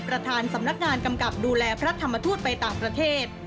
ประธานสำนักงานกำกับดูแลพระธรรมทูตไปต่างประเทศ